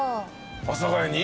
阿佐ヶ谷に？